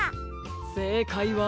せいかいは。